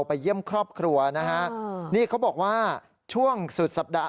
ไปเยี่ยมครอบครัวนะฮะนี่เขาบอกว่าช่วงสุดสัปดาห